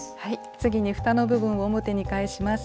次にふたの部分を表に返します。